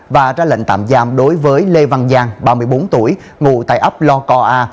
và ra lệnh tạm giam đối với lê văn giang ba mươi bốn tuổi ngụ tại ấp lo co a